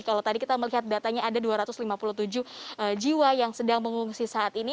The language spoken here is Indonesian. kalau tadi kita melihat datanya ada dua ratus lima puluh tujuh jiwa yang sedang mengungsi saat ini